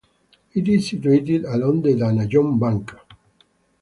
It is situated along the Danajon Bank.